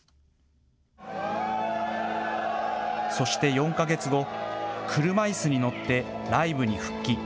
そして４か月後、車いすに乗ってライブに復帰。